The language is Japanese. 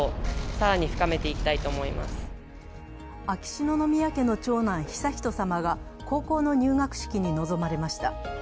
秋篠宮家の長男、悠仁さまが高校の入学式に臨まれました。